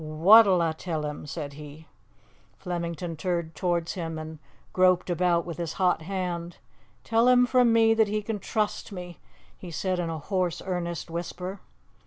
"What'll a' tell him?" said he. Flemington turned towards him and groped about with his hot hand. "Tell him from me that he can trust me," he said in a hoarse, earnest whisper.